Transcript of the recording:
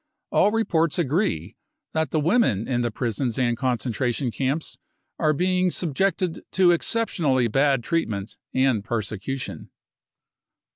All reports agree that the women in the prisons and concentration camps are being subjected to exceptionally bad treatment and persecution.